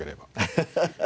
ハハハハ。